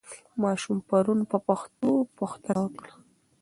ماشوم پرون په پښتو پوښتنه وکړه.